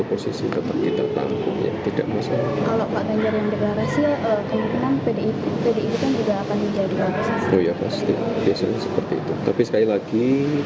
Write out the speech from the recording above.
kemungkinan pdip pdip kan juga akan menjadi oh ya pasti biasanya seperti itu tapi sekali lagi